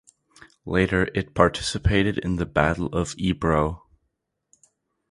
Later it participated in the Battle of the Ebro.